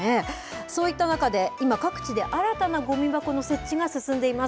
そういった中で、今、各地で新たなゴミ箱の設置が進んでいます。